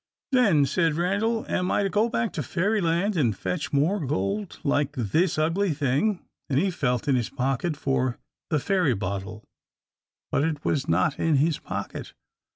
"Then," said Randal, "am I to go back to Fairyland, and fetch more gold like this ugly thing?" and he felt in his pocket for the fairy bottle. But it was not in his pocket.